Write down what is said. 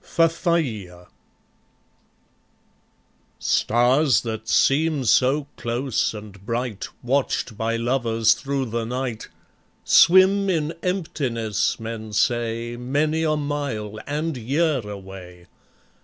Fafaia Stars that seem so close and bright, Watched by lovers through the night, Swim in emptiness, men say, Many a mile and year away.